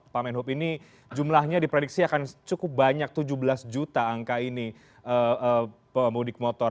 pak menhub ini jumlahnya diprediksi akan cukup banyak tujuh belas juta angka ini pemudik motor